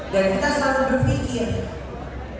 dan kita selalu berpikir